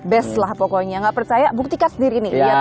best lah pokoknya nggak percaya buktikan sendiri nih